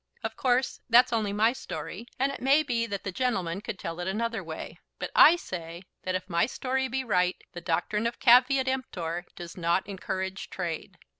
Of course, that's only my story, and it may be that the gentleman could tell it another way. But I say that if my story be right the doctrine of Caveat emptor does not encourage trade.